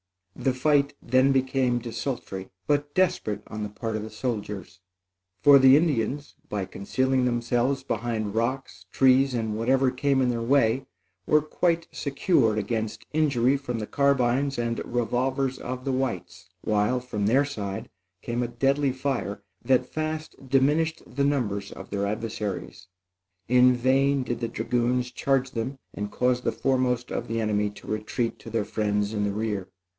The fight then became desultory, but desperate, on the part of the soldiers; for the Indians, by concealing themselves behind rocks, trees and whatever came in their way, were quite secure against injury from the carbines and revolvers of the whites, while, from their side, came a deadly fire that fast diminished the numbers of their adversaries. In vain did the dragoons charge them and cause the foremost of the enemy to retreat to their friends in the rear.